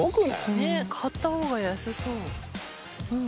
ねっ買った方が安そう。